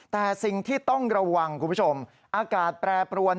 แต่สิ่งที่ต้องระวังคุณผู้ชมอากาศแปรปรวน